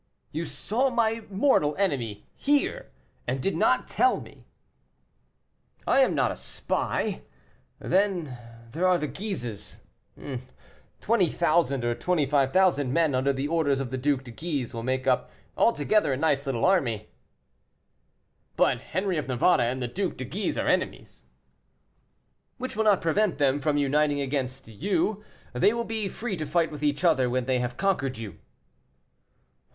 "You saw my mortal enemy here, and did not tell me?" "I am not a spy. Then there are the Guises; 20,000 or 25,000 men under the orders of the Duc de Guise will make up altogether a nice little army." "But Henri of Navarre and the Duc de Guise are enemies." "Which will not prevent them from uniting against you; they will be free to fight with each other when they have conquered you."